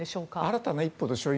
新たな一歩でしょう。